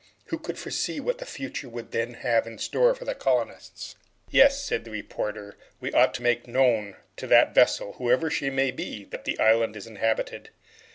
Who could foresee what the future would then have in store for the colonists? "Yes," said the reporter, "we ought to make known to that vessel, whoever she may be, that the island is inhabited.